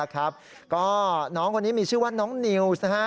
ก็น้องคนนี้มีชื่อว่าน้องนิวส์